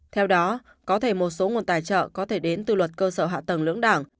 theo đó có thể một số nguồn tài trợ có thể đến từ luật cơ sở hạ tầng lưỡng đảng